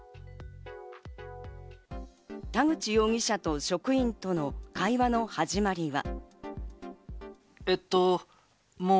田口容疑者と職員との会話の始まりは。